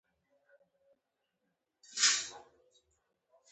هغه د مالیاتو ورکولو ته مجبور کړي.